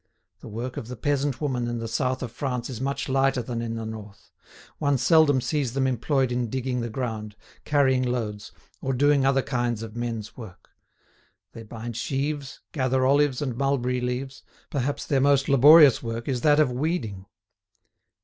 The work of the peasant woman in the South of France is much lighter than in the North. One seldom sees them employed in digging the ground, carrying loads, or doing other kinds of men's work. They bind sheaves, gather olives and mulberry leaves; perhaps their most laborious work is that of weeding.